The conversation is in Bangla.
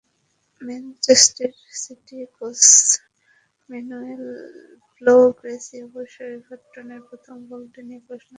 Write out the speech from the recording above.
Manchester City coach Manuel Pellegrini অবশ্য এভারটনের প্রথম গোলটি নিয়ে প্রশ্ন তুলেছেন।